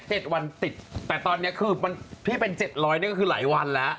ตอนนั้น๗วันติดแต่ตอนนี้คือพี่เป็น๗๐๐นี่ก็คือหลายวันแล้ว